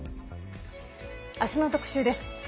明日の特集です。